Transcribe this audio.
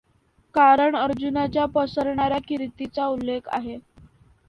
कारण अर्जुनाच्या पसरणाऱ्या कीर्तीचा उल्लेख आहे.